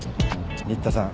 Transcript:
新田さん